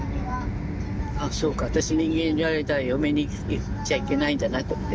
ああそうか私「民藝」にいる間は嫁に行っちゃいけないんだなと思って。